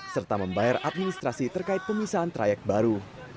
serta membayar administrasi terkait pemisahan trayek baru